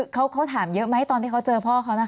เขาถามเยอะไหมตอนที่เขาเจอพ่อเขานะคะ